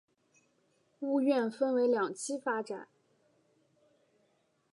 屋苑分为两期发展。